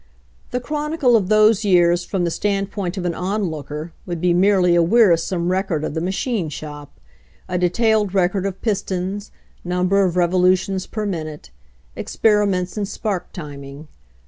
The chronicle of those years from the stand point of an onlooker would be merely a weari some record of the machine shop — a detailed rec ord of pistons, number of revolutions per min ute, experiments in spark timing.